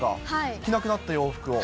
着なくなった洋服を？